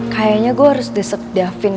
kayaknya gue harus desek davin